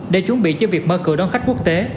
để chuẩn bị cho việc mở cửa đón khách quốc tế